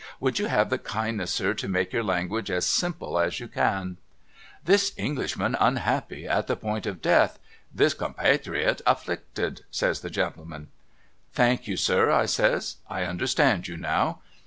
Would you have the kindness sir to make your language as simple as you can ?'' This Englishman unhappy, at the point of death. This com patrrwiot afflicted,' says the gentleman. ' Thank you sir,' I says ' I understand you now.